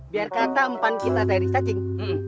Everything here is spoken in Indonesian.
biar kata umpan kita dari cacing